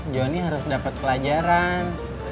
jonny harus dapet pelajaran